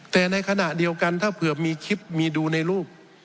แต่ในขณะเดียวกันถ้าเผื่อมีคลิปมีดูในรูป